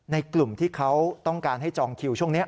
กลุ่มที่เขาต้องการให้จองคิวช่วงนี้